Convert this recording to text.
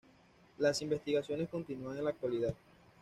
Las investigaciones continúan en la actualidad.